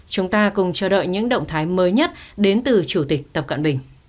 chúng ta cùng chờ đợi những động thái mới nhất đến từ chủ tịch tập cận bình